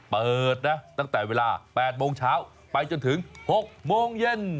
เปิดนะตั้งแต่เวลา๘โมงเช้าไปจนถึง๖โมงเย็น